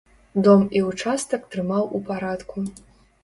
Дом і ўчастак трымаў у парадку.